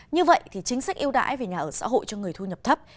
như vậy thì chính sách yêu đãi về nhà ở xã hội cho người thu nhập thấp